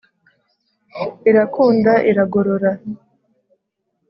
irakunda iragorora